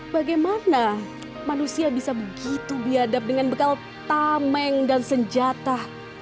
bagaimana manusia bisa begitu biadab dengan bekal tameng dan senjata